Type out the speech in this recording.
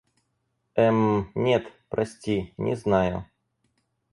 Эм-м, нет, прости, не знаю.